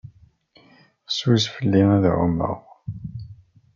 Fessus fell-i ad ɛumeɣ.